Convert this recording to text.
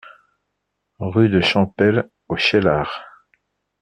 Rue de Champel au Cheylard